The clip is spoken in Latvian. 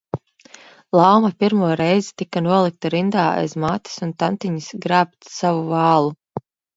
Lauma pirmo reizi tika nolikta rindā aiz mātes un tantiņas grābt savu vālu.